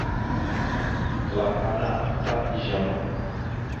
Kəla ana aftá izeama.